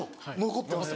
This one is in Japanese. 残ってます。